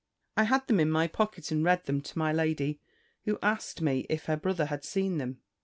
I had them in my pocket, and read them to my lady; who asked me, if her brother had seen them?